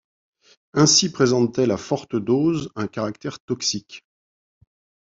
Ainsi présente-t-elle à forte dose un caractère toxique.